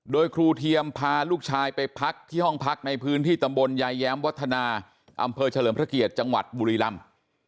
โดยครูเทียมพาลูกชายไปพักที่ห้องพักในพื้นที่ตำบลยายแย้มวัฒนาอำเภอเฉลิมพระเกียรติจังหวัดบุรีลำ